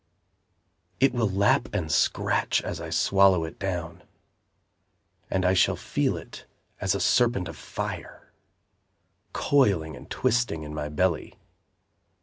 It will lap and scratch As I swallow it down; And I shall feel it as a serpent of fire, Coiling and twisting in my belly.